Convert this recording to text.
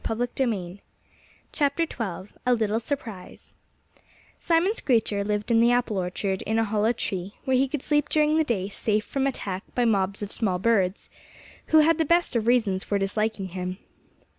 XII A LITTLE SURPRISE Simon Screecher lived in the apple orchard, in a hollow tree, where he could sleep during the day safe from attack by mobs of small birds, who had the best of reasons for disliking him.